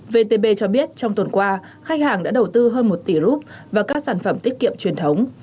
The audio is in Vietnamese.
vtb cho biết trong tuần qua khách hàng đã đầu tư hơn một tỷ rup và các sản phẩm tiết kiệm truyền thống